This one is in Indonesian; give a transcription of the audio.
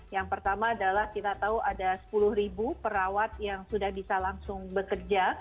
yang pertama adalah kita tahu ada sepuluh perawat yang sudah bisa langsung bekerja